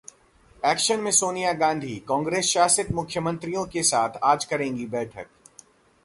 action में सोनिया गांधी, कांग्रेस शासित मुख्यमंत्रियों के साथ आज करेंगी बैठक